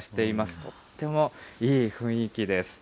とってもいい雰囲気です。